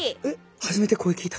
初めて声聞いた。